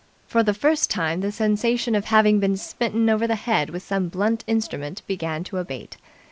For the first time the sensation of having been smitten over the head with some blunt instrument began to abate.